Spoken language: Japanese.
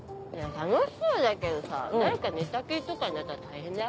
楽しそうだけどさ誰か寝たきりとかになったら大変だよ。